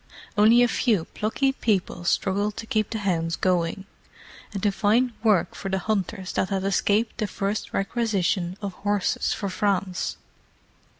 Only a few plucky people struggled to keep the hounds going, and to find work for the hunters that had escaped the first requisition of horses for France.